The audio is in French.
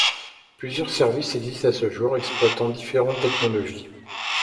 Plusieurs services existent à ce jour, exploitant différentes technologies.